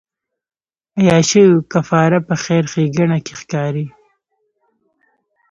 عیاشیو کفاره په خیر ښېګڼې کې ښکاري.